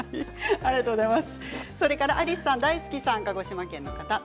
ありがとうございます。